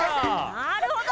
なるほど！